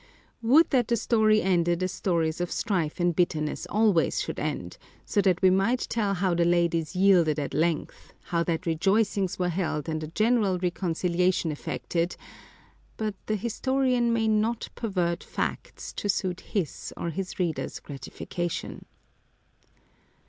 Would that the story ended as stories of strife and bitterness always should end ; so that we might tell how the ladies yielded at length, how that rejoicings were held and a general reconciliation effected :— but the historian may not pervert facts, to suit his or his readers' gratification.